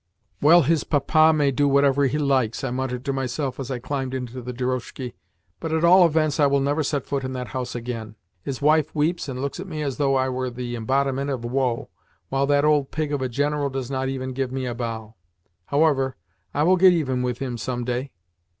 "Well, his Papa may do whatsoever he likes," I muttered to myself as I climbed into the drozhki, "but at all events I will never set foot in that house again. His wife weeps and looks at me as though I were the embodiment of woe, while that old pig of a General does not even give me a bow. However, I will get even with him some day."